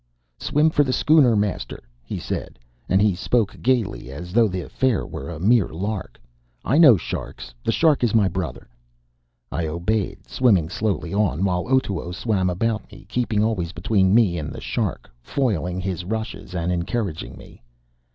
"Swim for the schooner, master!" he said. And he spoke gayly, as though the affair was a mere lark. "I know sharks. The shark is my brother." I obeyed, swimming slowly on, while Otoo swam about me, keeping always between me and the shark, foiling his rushes and encouraging me.